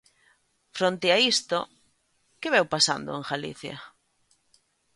Fronte a isto, ¿que veu pasando en Galicia?